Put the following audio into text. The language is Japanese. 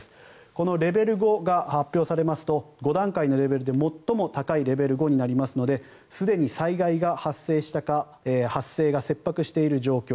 このレベル５が発表されますと５段階のレベルで最も高いレベル５になりますのですでに災害が発生したか発生が切迫している状況。